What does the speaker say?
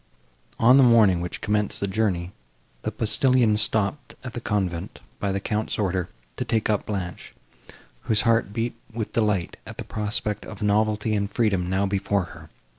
On the morning, which commenced the journey, the postillions stopped at the convent, by the Count's order, to take up Blanche, whose heart beat with delight, at the prospect of novelty and freedom now before her.